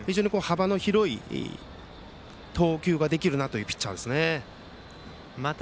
幅の広い投球ができるなというピッチャーですね。